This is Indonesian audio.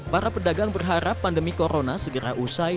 para pedagang berharap pandemi corona segera usai